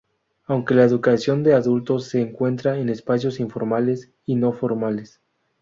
Aunque la educación de adultos se encuentra en espacios informales y no formales.